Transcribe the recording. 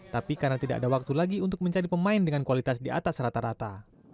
tapi karena tidak ada waktu lagi untuk mencari pemain dengan kualitas di atas rata rata